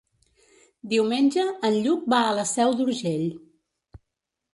Diumenge en Lluc va a la Seu d'Urgell.